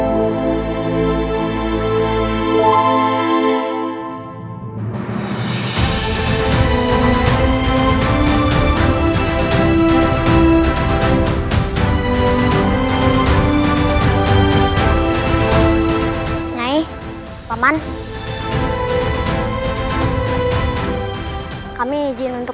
terima kasih guru